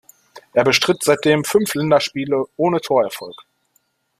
Er bestritt seitdem fünf Länderspiele ohne Torerfolg.